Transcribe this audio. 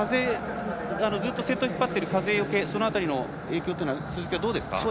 ずっと先頭を引っ張っている風よけの影響はどうですか？